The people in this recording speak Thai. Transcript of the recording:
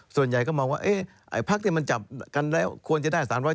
ส่วนใหญ่ก็มองว่าพักที่มันจับกันแล้วควรจะได้๓๗